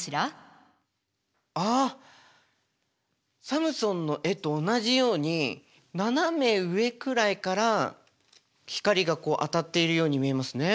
サムソンの絵と同じように斜め上くらいから光が当たっているように見えますね。